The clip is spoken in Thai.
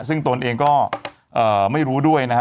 ซึ่งตนเองก็ไม่รู้ด้วยนะครับ